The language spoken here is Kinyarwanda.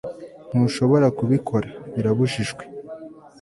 ntushobora kubikora. birabujijwe